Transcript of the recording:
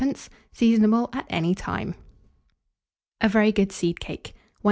Seasonable at any time. A VERY GOOD SEED CAKE. 1776.